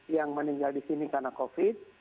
yang meninggal di sini karena covid